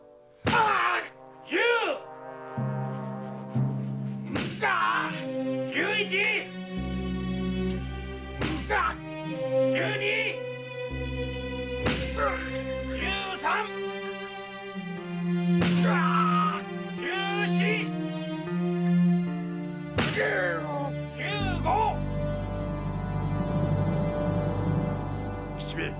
〔吉兵衛！